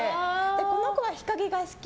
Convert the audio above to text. この子は日陰が好き